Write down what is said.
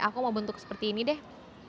aku mau bentuk seperti ini deh